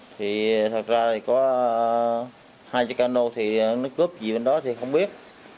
thì thật ra thì có hai chiếc cano thì nó cướp gì đến đó thì không biết